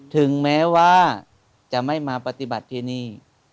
ถึงแม้ว่าจะไม่มาปฏิบัติที่นี่